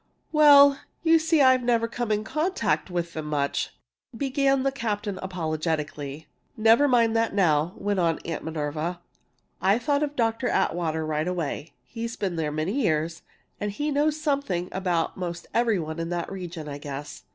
"Well, you see I've never come in contact with them much " began the captain, apologetically. "Never mind that now," went on Miss Minerva. "I thought of Dr. Atwater right away. He's been there many years, and knows something about most every one in the region, I guess.